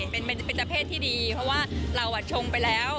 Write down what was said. เป็นเจ้าเพศที่ดีเพราะว่าเราชงไปแล้ว